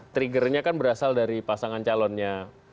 triggernya kan berasal dari pasangan calonnya